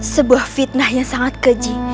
sebuah fitnah yang sangat keji